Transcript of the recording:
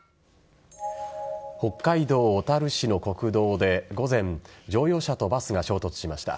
北海道小樽市の国道で午前乗用車とバスが衝突しました。